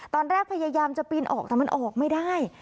พยายามจะปีนออกแต่มันออกไม่ได้